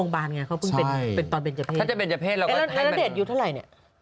บางคนเบนเจอร์เพศเลยเยอะก็มีนะ